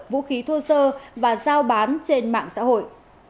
vũ khí thô sơ và giao bán trên mạng xã hội